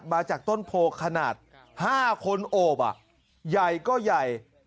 มาจากต้นโพขนาด๕คนโอบใหญ่ก็ใหญ่